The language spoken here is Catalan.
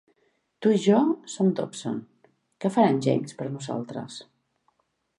Tu i jo som Dobson. Què farà en James per nosaltres?